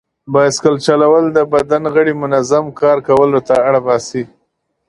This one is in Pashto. بایسکل چلول د بدن غړي منظم کار کولو ته اړ باسي.